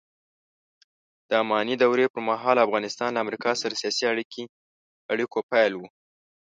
د اماني دورې پرمهال افغانستان له امریکا سره سیاسي اړیکو پیل و